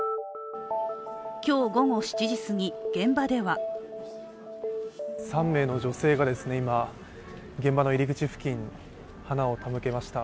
今日午後７時すぎ、現場では３名の女性が今、現場の入り口付近、花を手向けました。